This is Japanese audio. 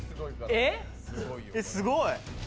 「えっすごい！」